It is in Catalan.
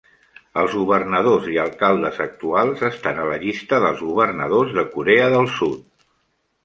Els governadors i alcaldes actuals estan a la llista dels governadors de Corea del Sud.